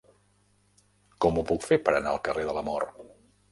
Com ho puc fer per anar al carrer de l'Amor?